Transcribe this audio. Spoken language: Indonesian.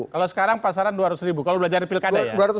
kalau sekarang pasaran dua ratus ribu kalau belajar di pilkada